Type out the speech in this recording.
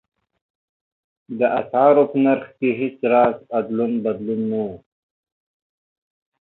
د اسعارو په نرخ کې هېڅ راز ادلون بدلون نه و.